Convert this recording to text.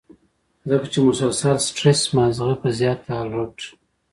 ځکه چې مسلسل سټرېس مازغۀ پۀ زيات الرټ